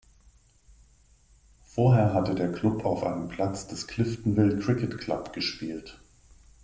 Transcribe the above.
Vorher hatte der Klub auf einem Platz des "Cliftonville Cricket Club" gespielt.